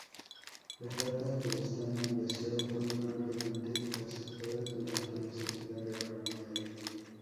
Las latas de estaño y acero fueron ampliamente aceptadas durante la Segunda Guerra Mundial.